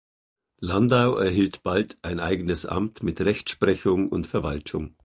Landau erhielt bald ein eigenes Amt mit Rechtsprechung und Verwaltung.